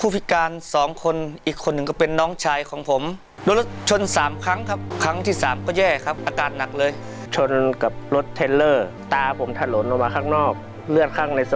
แผ่นที่๔นะครับตัวช่วยก็คือ